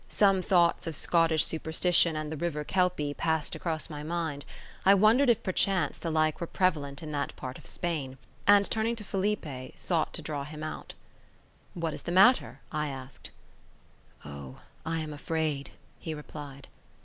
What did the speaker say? Some thoughts of Scottish superstition and the river Kelpie, passed across my mind; I wondered if perchance the like were prevalent in that part of Spain; and turning to Felipe, sought to draw him out. "What is the matter?" I asked. "O, I am afraid," he replied.